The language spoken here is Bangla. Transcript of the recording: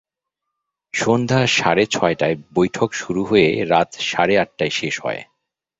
সন্ধ্যা সাড়ে ছয়টায় বৈঠক শুরু হয়ে রাত সাড়ে আটটায় শেষ হয়।